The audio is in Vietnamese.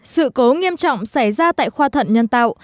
sự cố nghiêm trọng xảy ra tại khoa thận nhân tạo